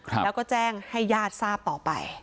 แล้วก็แจ้งให้ญาติทราบต่อไป